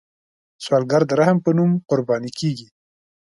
سوالګر د رحم په نوم قرباني کیږي